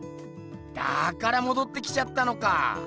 だからもどってきちゃったのか。